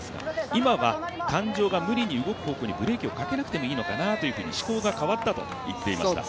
今は感情が無理に動く方向にブレーキをかけなくてもいいのかなと思考が変わったと言っていました。